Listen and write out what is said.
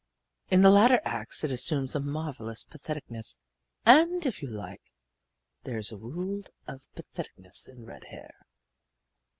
In the latter acts it assumes a marvelous patheticness. And, if you like, there is a world of patheticness in red hair.